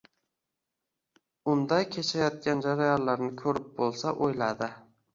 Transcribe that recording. unda kechayotgan jarayonlarni ko‘rib bo‘lsa», – o‘yladi